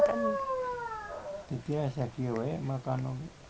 tertiasa di mana makan